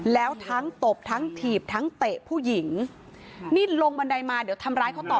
แล้วทั้งตบทั้งถีบทั้งเตะผู้หญิงนี่ลงบันไดมาเดี๋ยวทำร้ายเขาต่อ